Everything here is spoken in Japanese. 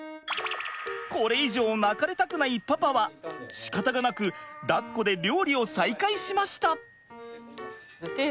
これ以上泣かれたくないパパはしかたがなくだっこで料理を再開しました。